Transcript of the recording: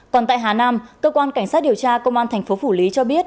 còn tại hà nam cơ quan cảnh sát điều tra công an tp phủ lý cho biết